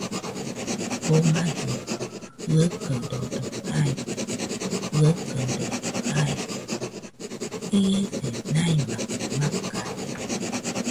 Jomadɨ jɨaɨkaɨrodo jaide, jaɨkaɨrodo jaide. Iese maimakɨ makade.